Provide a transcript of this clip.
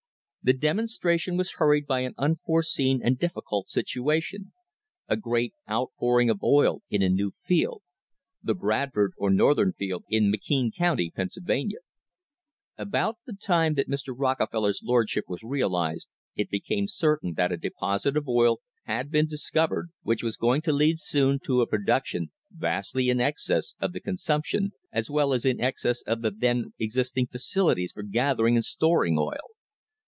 The demonstra tion was hurried by an unforeseen and difficult situation — a great outpouring of oil in a new field — the Bradford or Northern Field in McKean County, Pennsylvania. About the time that Mr. Rockefeller's lordship was realised it became certain that a deposit of oil had been discovered which was THE HISTORY OF THE STANDARD OIL COMPANY going to lead soon to a production vastly in excess of the con sumption, as well as in excess of the then existing facilities for gathering and storing oil.